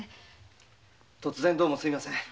突然どうもすみません。